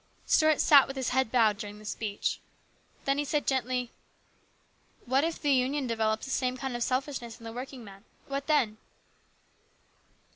Stuart sat with his head bowed during this speech. Then he said gently, " What if the Union develops the same kind of selfishness in the working men ? What then